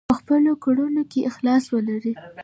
په خپلو کړنو کې اخلاص ولرئ.